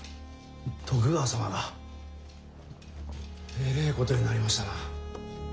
徳川様が。えれえことになりましたな。